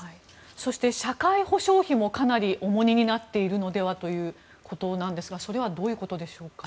そして、社会保障費もかなり重荷になっているのではないかということですがそれはどういうことでしょうか。